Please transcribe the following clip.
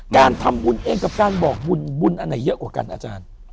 การทำบุญเองกับการบอกบุญบุญอันไหนเยอะกว่ากันอาจารย์